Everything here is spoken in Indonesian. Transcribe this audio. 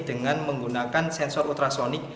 dengan menggunakan sensor ultrasonic